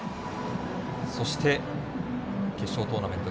そして、決勝トーナメント